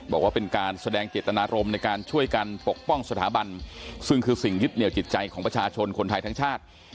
บอกว่าเป็นการแสดงเจตนารมณ์ในการช่วยกันปกป้องสถาบันซึ่งคือสิ่งยึดเหนียวจิตใจของประชาชนคนไทยทั้งชาติ